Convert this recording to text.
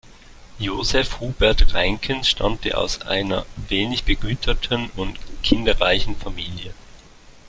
Joseph Hubert Reinkens stammte aus einer wenig begüterten und kinderreichen Familie.